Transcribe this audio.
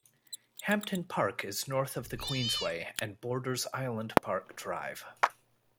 Hampton Park is north of the Queensway and borders Island Park Drive.